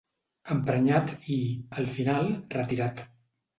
Emprenyat i, al final, retirat.